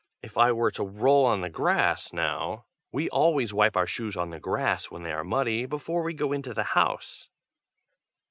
If I were to roll on the grass, now! we always wipe our shoes on the grass, when they are muddy, before we go into the house."